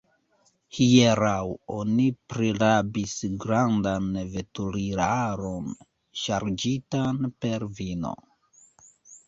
Hieraŭ oni prirabis grandan veturilaron, ŝarĝitan per vino.